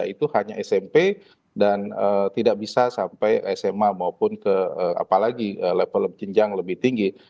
itu hanya smp dan tidak bisa sampai sma maupun ke apalagi level jenjang lebih tinggi